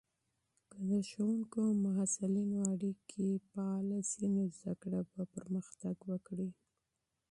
که د ښوونکو او محصلینو اړیکې فعاله سي، نو زده کړه به وده وکړي.